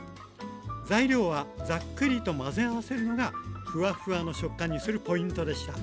材料はザックリと混ぜ合わせるのがふわふわの食感にするポイントでした。